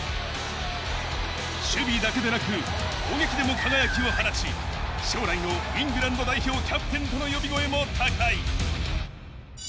守備だけでなく攻撃でも輝きを放ち、将来のイングランド代表キャプテンとの呼び声も高い。